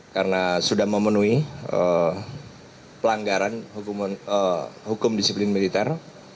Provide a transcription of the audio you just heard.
karena sudah memenuhi pelanggaran hukum disiplin militer